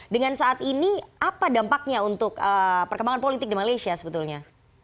dengan saat ini apa dampaknya untuk perkembangan politik di malaysia sebetulnya